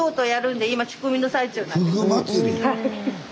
はい。